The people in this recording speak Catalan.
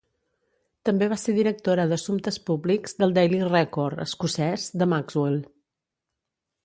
També va ser directora d'assumptes públics del "Daily Record" escocès de Maxwell.